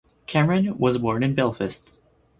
Cameron was born in Belfast.